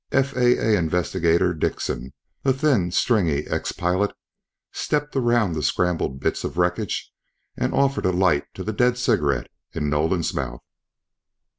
FAA investigator Dickson, a thin, stringy ex pilot stepped around the scrambled bits of wreckage and offered a light to the dead cigarette in Nolan's mouth.